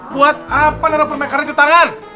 buat apa naruh perminkaret di tangan